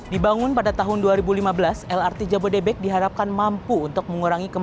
dibangun pada tahun dua ribu lima belas lrt jabodebek diharapkan mampu untuk mengurangi kemacetan